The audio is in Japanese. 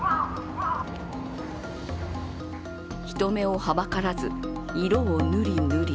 人目をはばからず、色を塗り塗り。